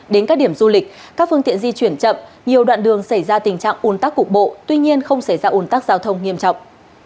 đến các điểm du lịch các phương tiện di chuyển chậm nhiều đoạn đường xảy ra tình trạng un tắc cục bộ tuy nhiên không xảy ra ủn tắc giao thông nghiêm trọng